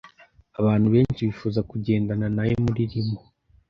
Abantu benshi bifuza kugendana nawe muri limo,